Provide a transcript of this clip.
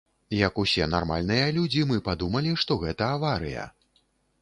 Як усе нармальныя людзі, мы падумалі, што гэта аварыя.